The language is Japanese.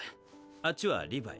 あっちはリヴァイ。